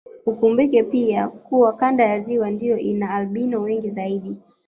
Ukumbuke pia kuwa kanda ya ziwa ndio ina albino wengi zaidi